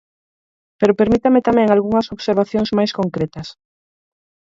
Pero permítame tamén algunhas observacións máis concretas.